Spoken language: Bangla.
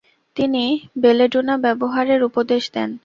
তিনি “ বেলেডোনা” ব্যবহারের উপদেশ দেন।